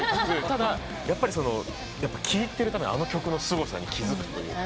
ただやっぱり聴いてるとあの曲のすごさに気付くというか。